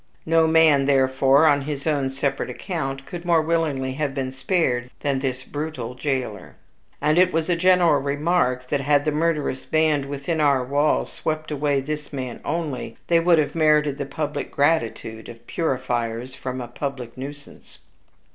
No man, therefore, on his own separate account, could more willingly have been spared than this brutal jailer; and it was a general remark that, had the murderous band within our walls swept away this man only, they would have merited the public gratitude as purifiers from a public nuisance.